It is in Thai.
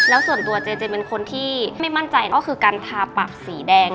แล้วส่วนตัวเจเจเป็นคนที่ไม่มั่นใจก็คือการทาปากสีแดง